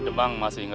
bukan sama sekali